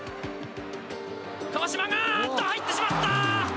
川島があーっと入ってしまった！